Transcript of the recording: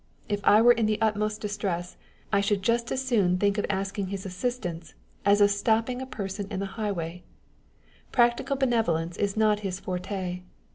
If I were in the utmost distress, I should just as soon think of asking his assistance, as of stopping a person on the highway. Practical benevolence is not his forte.